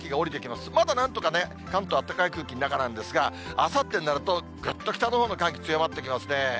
まだなんとかね、関東、あったかい空気の中なんですが、あさってになると、ぐっと北のほうの寒気、強まってきますね。